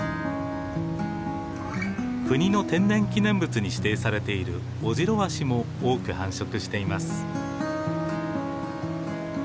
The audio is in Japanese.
国の天然記念物に指定されているオジロワシも多く繁殖しています。